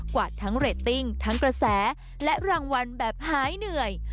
วาดทั้งเรตติ้งทั้งกระแสและรางวัลแบบหายเหนื่อย